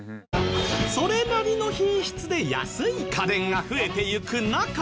それなりの品質で安い家電が増えていく中